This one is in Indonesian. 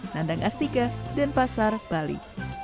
nandang astika dan pasar bali